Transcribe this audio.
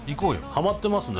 ハマってますね。